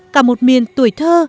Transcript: cả một miền tuổi thơ